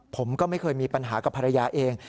ผมก็ไม่เคยมีปัญหากับภรรยาเอง